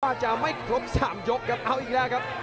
อาจจะไม่ครบ๓ยกครับเอาอีกแล้วครับ